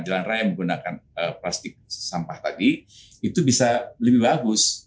jalan raya menggunakan plastik sampah tadi itu bisa lebih bagus